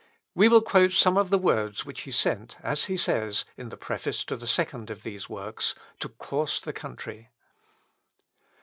We will quote some of the words which he sent, as he says, in the preface to the second of these works, "to course the country."